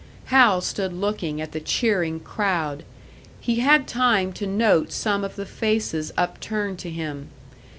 Hal stood looking at the cheering crowd. He had time to note some of the faces upturned to him.